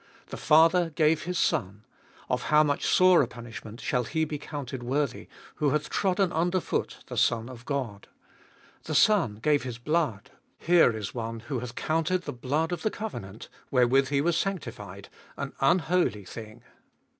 The Father gave His Son : of how much sorer punish ment shall he be counted worthy, who hath trodden under foot the Son of God. The Son gave His blood : here is one who hath counted the blood of the covenant, wherewith he was sanctified, an unholy thing.